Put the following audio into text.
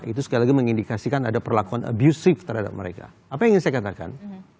itu sekali lagi mengindikasikan ada perlakuan abusive terhadap mereka apa yang ingin saya katakan